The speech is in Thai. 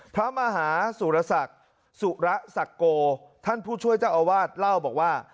พระมหาสุรศักดิ์สุระสักโกท่านผู้ช่วยเจ้าอาวาสเล่าบอกว่า